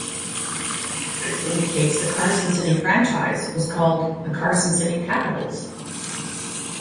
Research indicates the Carson City franchise was called the Carson City "Capitals".